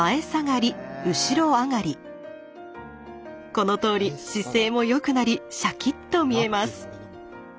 このとおり姿勢もよくなりしゃきっと見えます。